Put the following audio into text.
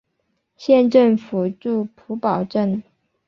县政府驻普保镇。